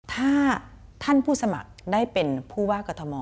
ถ้าท่านผู้สมัครได้เป็นผู้ว่ากรทม